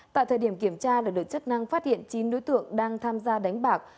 tại thời điểm kiểm tra được chất năng phát hiện chín đối tượng đang tham gia đánh bạc